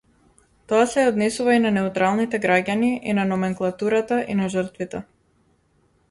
Тоа се однесува и на неутралните граѓани, и на номенклатурата, и на жртвите.